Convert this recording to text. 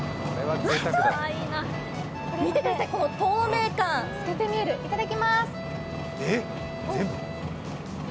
見てください、この透明感、透けて見えるいただきます。